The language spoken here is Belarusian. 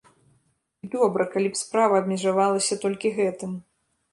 І добра, калі б справа абмежавалася толькі гэтым.